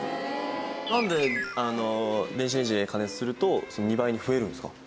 なんで電子レンジで加熱すると２倍に増えるんですか？